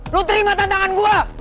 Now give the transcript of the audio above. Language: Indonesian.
lo terima tantangan gue